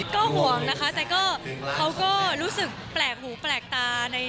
ก็ห่วงนะคะแต่ก็เขาก็รู้สึกแปลกหูแปลกตา